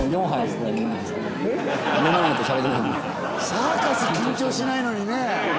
サーカス緊張しないのにね。